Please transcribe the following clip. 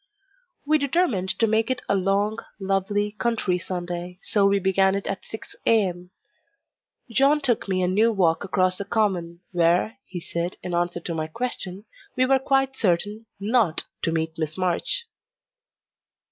We determined to make it a long, lovely, country Sunday; so we began it at six a.m. John took me a new walk across the common, where he said, in answer to my question we were quite certain NOT to meet Miss March.